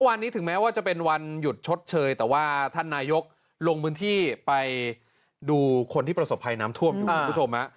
วันนี้ถึงแม้ว่าจะเป็นวันหยุดชดเชยแต่ว่าท่านนายกลงพื้นที่ไปดูคนที่ประสบภัยน้ำท่วมอยู่คุณผู้ชม